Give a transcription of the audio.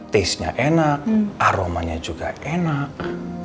tastenya enak aromanya juga enak